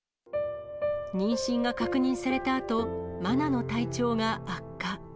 妊娠が確認されたあと、マナの体調が悪化。